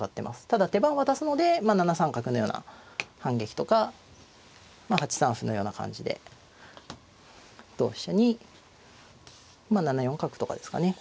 ただ手番渡すので７三角のような反撃とか８三歩のような感じで同飛車に７四角とかですかね